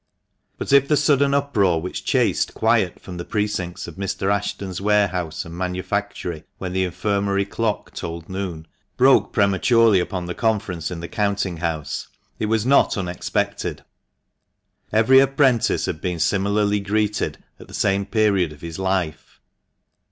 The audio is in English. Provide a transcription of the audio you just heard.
But if the sudden uproar, which chased quiet from the CROWNING JABKZ WITH PUNCH BOWL, precincts of Mr. Ashton's warehouse and manufactory when the Infirmary clock told noon, broke prematurely upon the conference in the counting house, it was not unexpected. Every apprentice had been similarly greeted at the same period of his life.